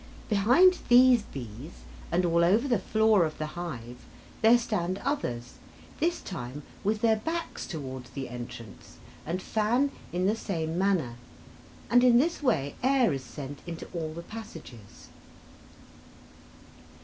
Behind these bees, and all over the floor of the hive, there stand others, this time with their backs towards the entrance, and fan in the same manner, and in this way air is sent into all the passages.